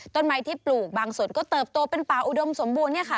ต้นไม้ที่ปลูกบางส่วนก็เติบโตเป็นป่าอุดมสมบูรณเนี่ยค่ะ